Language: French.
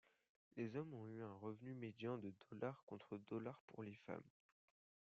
Les hommes ont eu un revenu médian de $ contre $ pour les femmes.